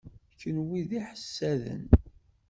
Kenwi d iḥessaden.